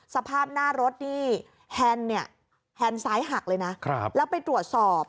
สภาพหน้ารถนี่แฮนซ้ายหักเลยนะแล้วไปตรวจสอบ